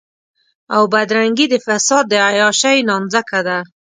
او بدرنګي د فساد د عياشۍ نانځکه ده.